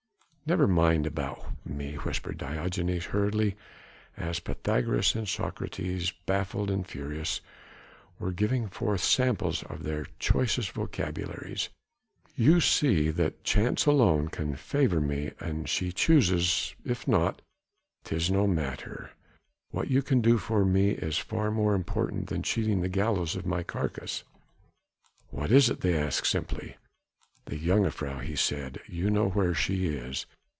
"Never mind about me," whispered Diogenes hurriedly as Pythagoras and Socrates, baffled and furious, were giving forth samples of their choicest vocabularies. "You see that Chance alone can favour me an she choose, if not ... 'tis no matter. What you can do for me is far more important than cheating the gallows of my carcase." "What is it?" they asked simply. "The jongejuffrouw," he said, "you know where she is?"